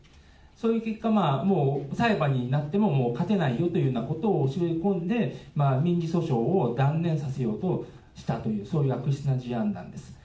そういう結果、もう裁判になってももう勝てないよというようなことを教え込んで、民事訴訟を断念させようとしたという、そういう悪質な事案なんです。